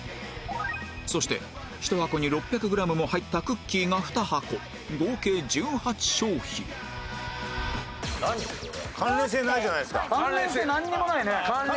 そして１箱に６００グラムも入ったクッキーが２箱合計１８商品関連性なんにもないね。